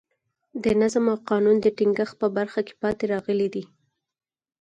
د نظم او قانون د ټینګښت په برخه کې پاتې راغلي دي.